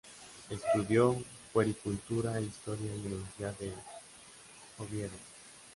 Estudió Puericultura e Historia en la Universidad de Oviedo.